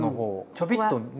ちょびっとね。